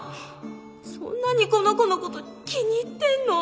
そんなにこの子のこと気に入ってんの？